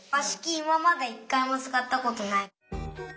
いままでいっかいもつかったことない。